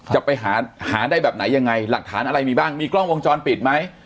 จะไปหาหาได้แบบไหนยังไงหลักฐานอะไรมีบ้างมีกล้องวงจรปิดไหม